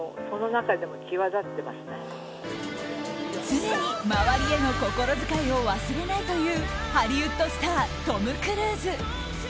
常に周りへの心遣いを忘れないというハリウッドスタートム・クルーズ。